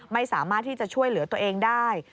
ไม่สามารถที่จะช่วยเหลือตัวเองได้